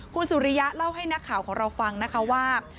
คุณสุริยะเล่าให้นักข่าวของเราฟังนะคะว่า